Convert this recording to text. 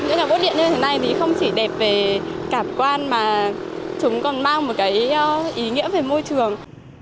những bút điện như thế này thì không chỉ đẹp về cảm quan mà chúng còn mang một cái ý nghĩa về môi trường